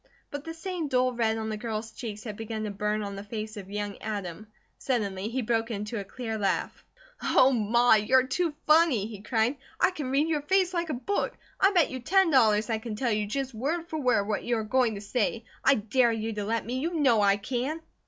But the same dull red on the girl's cheeks had begun to burn on the face of young Adam. Suddenly he broke into a clear laugh. "Oh, Ma, you're too funny!" he cried. "I can read your face like a book. I bet you ten dollars I can tell you just word for word what you are going to say. I dare you let me! You know I can!"